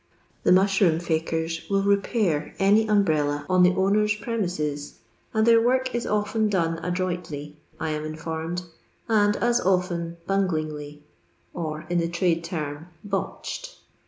The mushroom fiikera will repair any ombrella on the owner's premises, and their work is often done adroitly, I am informed, and as often bonglingly, or, in the trade term, " botched."